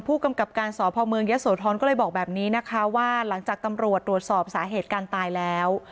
ผู้กำกับการสพเมืองยะโสธรก็เลยบอกแบบนี้นะคะว่าหลังจากตำรวจตรวจสอบสาเหตุการตายแล้ว